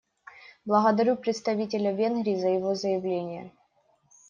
Благодарю представителя Венгрии за его заявление.